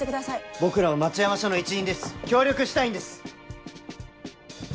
僕らも町山署の一員です協力したいんです。